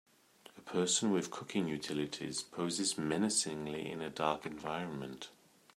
A person with cooking utilities poses menacingly in a dark environment.